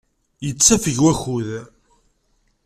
Yettafeg wakud.